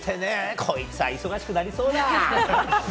こいつは忙しくなりそうだ！